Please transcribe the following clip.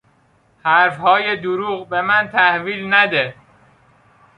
حرفهای دروغ به من تحویل نده!